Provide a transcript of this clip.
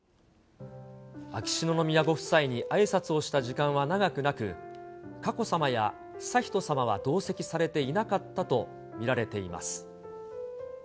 秋篠宮ご夫妻にあいさつをした時間は長くなく、佳子さまや悠仁さまは同席されていなかったと見られています。